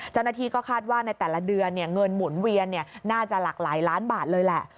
เจ้าหน้าที่ก็คาดว่าในแต่ละเดือนเงินหมุนเวียนน่าจะหลากหลายล้านบาทเลยแหละ